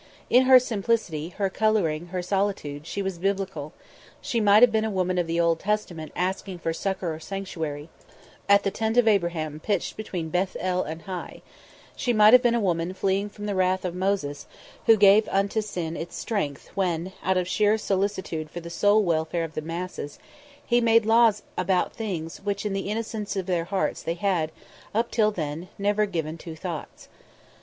In her simplicity, her colouring, her solitude, she was biblical; she might have been a woman of the Old Testament asking for succour or sanctuary at the tent of Abraham pitched between Beth el and Hai; she might have been a woman fleeing from the wrath of Moses, who gave unto sin its strength when, out of sheer solicitude for the soul welfare of the masses, he made laws about things to which in the innocence of their hearts they had, up till then, never given two thoughts.